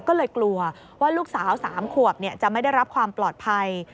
ก็เลยกลัวว่าลูกสาว๓ขวบจะไม่ได้รับความปลอดภัย